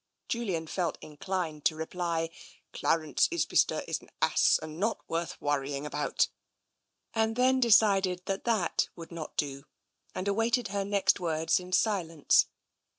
Julian felt inclined to reply, " Clarence Isbister is an ass, and not worth worrying about," and then decided that that would not do, and awaited her next words in silence.